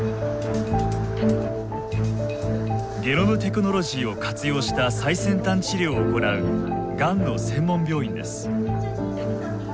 ゲノムテクノロジーを活用した最先端治療を行うがんの専門病院です。